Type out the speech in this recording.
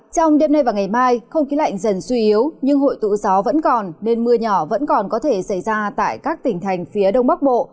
trong đêm nay và ngày mai không khí lạnh dần suy yếu nhưng hội tụ gió vẫn còn nên mưa nhỏ vẫn còn có thể xảy ra tại các tỉnh thành phía đông bắc bộ